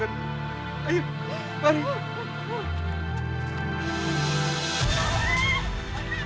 ada apa yang berkulinya